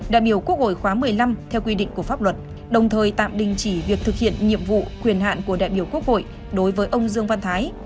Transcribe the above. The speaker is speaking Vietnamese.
đại biểu quốc hội khóa một mươi năm theo quy định của pháp luật đồng thời tạm đình chỉ việc thực hiện nhiệm vụ quyền hạn của đại biểu quốc hội đối với ông dương văn thái